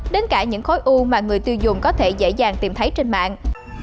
đến cả những khối u mà người tiêu dùng có thể dễ dàng tìm thấy trên mạng